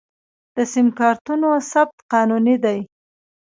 د سم کارتونو ثبت قانوني دی؟